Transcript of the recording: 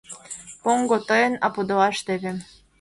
— Поҥго — тыйын, а подылаш — теве!